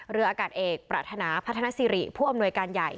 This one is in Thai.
เรืออากาศเอกปรารถนาพัฒนาสิริผู้อำนวยการใหญ่